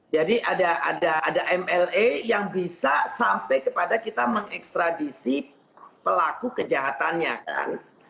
jadi ada mla yang bisa sampai kepada kita mengekstradisi pelaku kejahatannya kan